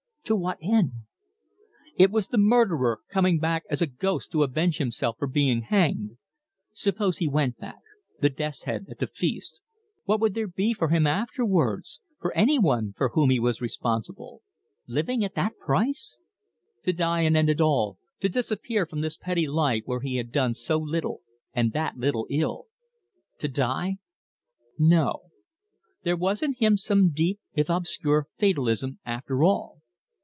To what end! It was the murderer coming back as a ghost to avenge himself for being hanged. Suppose he went back the death's head at the feast what would there be for himself afterwards; for any one for whom he was responsible? Living at that price? To die and end it all, to disappear from this petty life where he had done so little, and that little ill? To die? No. There was in him some deep, if obscure, fatalism after all.